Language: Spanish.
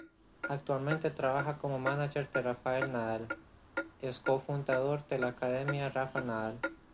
Actualmente trabaja como mánager de Rafael Nadal, es co-fundador de la Academia Rafa Nadal.